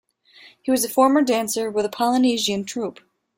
He was a former dancer with a Polynesian troupe.